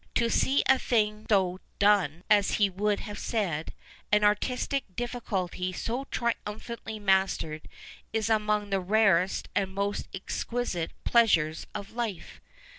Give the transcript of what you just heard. To see a thing so " done " as he would have said, an artistic difhculty so triumphantly mastered, is among the rarest and most exquisite pleasures of life.